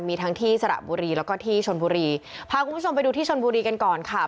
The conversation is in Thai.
มีทั้งที่สระบุรีแล้วก็ที่ชนบุรีพาคุณผู้ชมไปดูที่ชนบุรีกันก่อนค่ะ